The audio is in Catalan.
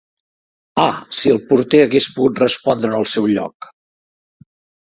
Ah, si el porter hagués pogut respondre en el seu lloc